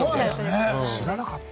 知らなかった。